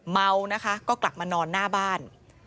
เมานะคะก็กลับมานอนหน้าบ้าน